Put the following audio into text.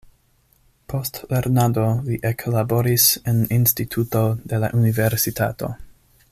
Post lernado li eklaboris en instituto de la universitato.